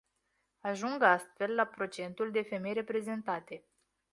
Ajung astfel la procentul de femei reprezentate.